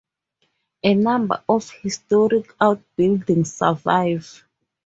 A number of historic outbuildings survive.